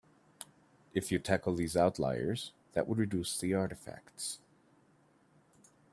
If you tackled these outliers that would reduce the artifacts.